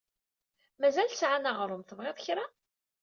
Mazal sɛan aɣṛum. Tebɣiḍ kra?